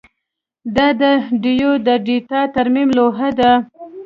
دا د ډیو د ډیټا ترمیم لوحه وه